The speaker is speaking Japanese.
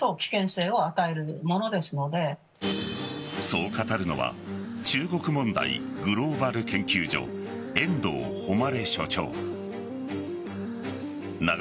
そう語るのは中国問題グローバル研究所遠藤誉所長。